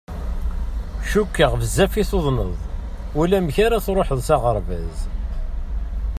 Cukkeɣ bezzaf tuḍneḍ, ulamek ara truḥeḍ s aɣerbaz.